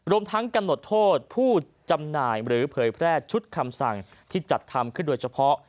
รวมทั้งกำหนดโทษผู้จำหน่ายหรือเผยแพร่ชุดคำสั่งที่จัดทำขึ้นโดยเฉพาะ